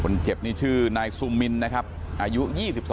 คนเจ็บนี่ชื่อนายซูมินอายุ๒๒ปีนะครับ